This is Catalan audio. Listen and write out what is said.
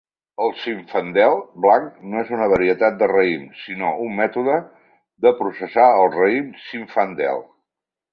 El zinfandel blanc no és una varietat de raïm sinó un mètode de processar el raïm zinfandel.